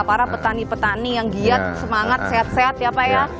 para petani petani yang giat semangat sehat sehat ya pak ya